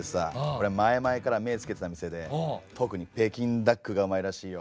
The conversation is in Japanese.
俺前々から目つけてた店で特に北京ダックがうまいらしいよ。